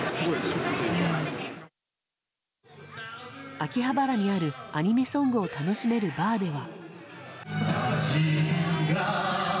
秋葉原にあるアニメソングを楽しめるバーでも。